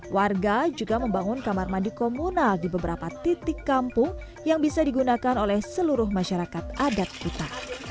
warga juga membangun kamar mandi komunal di beberapa titik kampung yang bisa digunakan oleh seluruh masyarakat adat kuta